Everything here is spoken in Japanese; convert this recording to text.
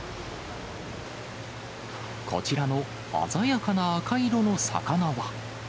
こちらの鮮やかな赤色の魚は。